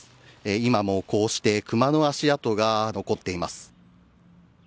今もこうして熊の足跡が残っています。